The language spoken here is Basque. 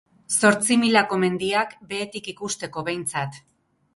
Zortzimilako mendiak behetik ikusteko behintzat.